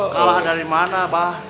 kalah dari mana bah